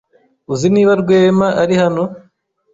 Uzi niba Rwema ari hano?